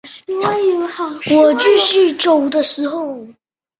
我继续走的时候